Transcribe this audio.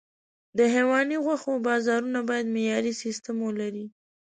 د حيواني غوښو بازارونه باید معیاري سیستم ولري.